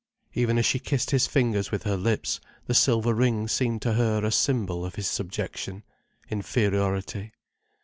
Even as she kissed his fingers with her lips, the silver ring seemed to her a symbol of his subjection, inferiority.